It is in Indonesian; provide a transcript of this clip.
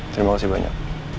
terima kasih banyak